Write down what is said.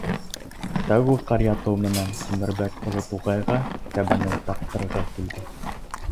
Тәүге ҡар ятыу менән Тимербәк оло туғайға кәбәнен тарттырырға килде.